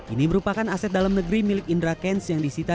ini merupakan aset dalam negeri milik indra kents yang disita